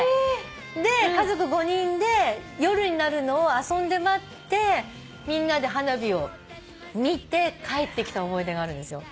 で家族５人で夜になるのを遊んで待ってみんなで花火を見て帰ってきた思い出があるんですよ。